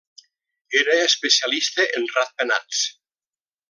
Era especialista en ratpenats.